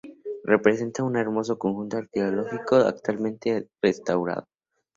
Representa un hermoso conjunto arqueológico, actualmente restaurado.